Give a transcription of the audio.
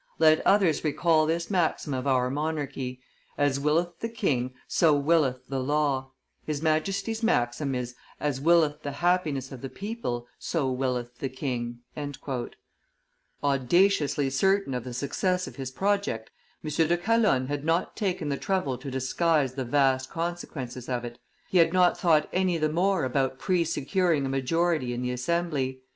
Let others recall this maxim of our monarchy: 'As willeth the king, so willeth the law;' his Majesty's maxim is: 'As willeth the happiness of the people, so willeth the king.'" Audaciously certain of the success of his project, M. de Calonne had not taken the trouble to disguise the vast consequences of it; he had not thought any the more about pre securing a majority in the assembly.